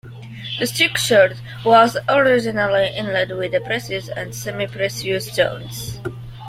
The structure was originally inlaid with precious and semi-precious stones.